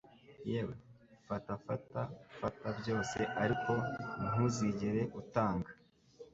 yewe Fata fata fata byose ariko ntuzigera utanga